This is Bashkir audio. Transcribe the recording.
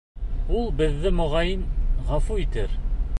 Ул беҙҙе, моғайын, ғәфү итер.